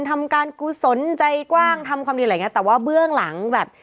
ทำการกุศลใจกว้างทำความดีอะไรอย่างเงี้แต่ว่าเบื้องหลังแบบ